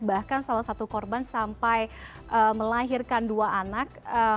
bahkan salah satu korban sampai melahirkan dua anak